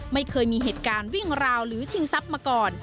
ไม่เคยมีเหตุการณ์วิ่งราวหรือชิงทรัพย์มาก่อน